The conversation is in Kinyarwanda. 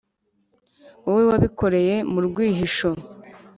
Wowe wabikoreye mu rwihisho